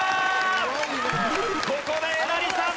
ここでえなりさん